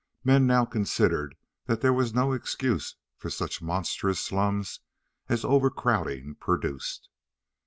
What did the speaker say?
Men now considered that there was no excuse for such monstrous slums as overcrowding produced.